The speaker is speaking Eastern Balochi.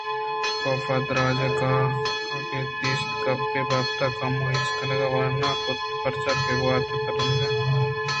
کاف ءَ درٛاجیں کاگد دست گپت ءُ پتات ءُکم کم ءَ پچ کنانءُ وانان کُت پرچا کہ گوٛات ءِترٛندیں کشّگ ءَ یکپارگی پہ وانگ نہ ایشت